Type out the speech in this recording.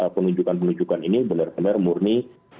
penunjukan penunjukan ini benar benar murni